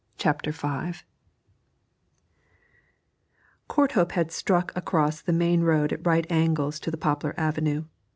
CHAPTER V Courthope had struck across to the main road at right angles to the poplar avenue.